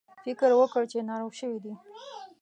فکر وکړ چې ناروغ شوي دي.